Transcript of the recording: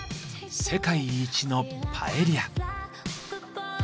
「世界一のパエリア」。